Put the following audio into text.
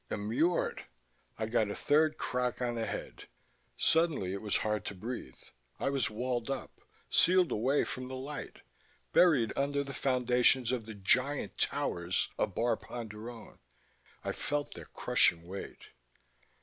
Immured! I got a third crack on the head. Suddenly it was hard to breathe. I was walled up, sealed away from the light, buried under the foundations of the giant towers of Bar Ponderone. I felt their crushing weight....